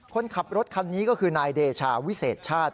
คนขับรถคันนี้ก็คือนายเดชาวิเศษชาติ